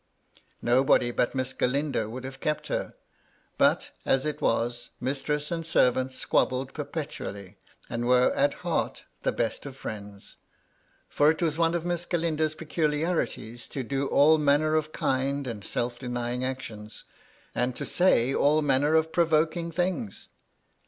Nobody but Miss Galindo would have kept her ; but, as it was, mistress and servant squabbled perpetually, and were, at heart, the best of friends. For it was one of Miss Galindo's peculiarities to do all manner of kind and self denying actions, and to say all manner of pro voking things.